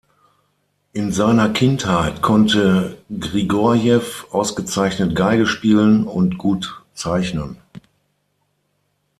In seiner Kindheit konnte Grigorjew ausgezeichnet Geige spielen und gut zeichnen.